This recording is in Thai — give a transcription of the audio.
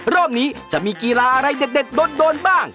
รอบนี้จะมีกีฬาอะไรเด็ดโดนบ้าง